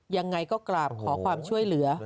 ยังไงก็กราบขอความช่วยเหลือ